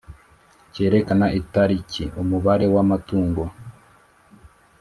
cyerekana itariki umubare w amatungo